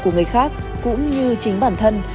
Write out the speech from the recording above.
của người khác cũng như chính bản thân